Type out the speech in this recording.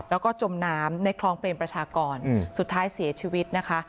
แล้วก็จมน้ำในคลองเปรมประชากรสุดท้ายเสียชีวิตนะคะ